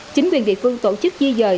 chính quyền địa phương tổ chức di dời